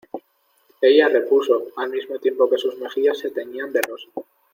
ella repuso, al mismo tiempo que sus mejillas se teñían de rosa: